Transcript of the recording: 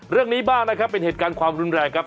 เรื่องนี้บ้างนะครับเป็นเหตุการณ์ความรุนแรงครับ